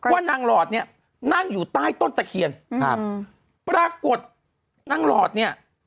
ว่านางหลอดเนี่ยนั่งอยู่ใต้ต้นตะเคียนครับปรากฏนางหลอดเนี่ย